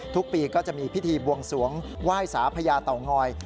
ทุกปีก็จะมีพิธีบวงสวงไหว้สาพญาเต่างอย